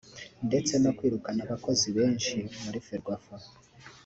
ndetse no kwirukana abakozi benshi muri Ferwafa